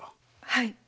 はい。